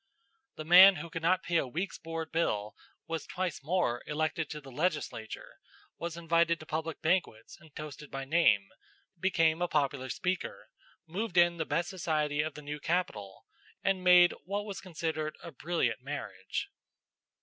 The man who could not pay a week's board bill was twice more elected to the legislature, was invited to public banquets and toasted by name, became a popular speaker, moved in the best society of the new capital, and made what was considered a brilliant marriage.